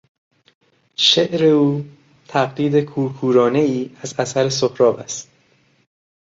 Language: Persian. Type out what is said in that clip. شعر او تقلید کورکورانهای از اثر سهراب است.